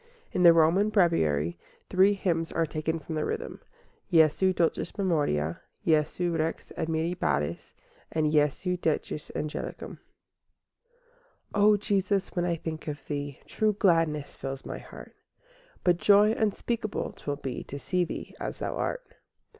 In the Roman Breviary three hymns are taken from the Rhythm, Jesu dulcis memoria, Jesu Rex Admirabilis, and Jesu decus angelicum. I O Jesus, when I think of Thee, True gladness fills my heart; But joy unspeakable 'twill be To see Thee as Thou art.